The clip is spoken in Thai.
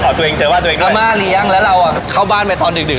อ๋อของตัวเองเจอบ้านตัวเองด้วยอาม่าเรียงแล้วเราอ่ะเข้าบ้านไปตอนดึกดึก